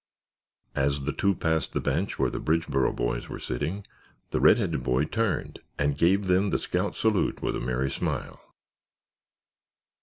As the two passed the bench where the Bridgeboro boys were sitting, the red headed boy turned and gave them the scout salute with a merry smile.